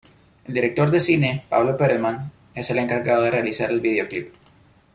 El director de cine, Pablo Perelman, es el encargado de realizar el video clip.